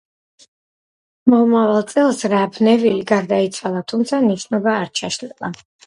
მომავალ წელს რალფ ნევილი გარდაიცვალა, თუმცა ნიშნობა არ ჩაშლილა.